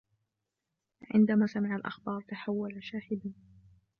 عندما سَمِعَ الأخبار, تحولَ شاحباً.